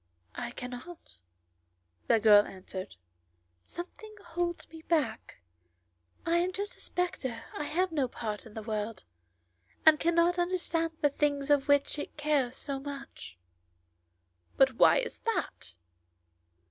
"I cannot," the girl answered; "something holds me back. I am just a spectator and have no part in the world, and cannot understand the things for which it cares so much." "But why is that?"